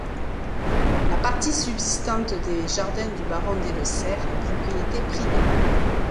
La partie subsistante des jardins du baron Delessert est propriété privée.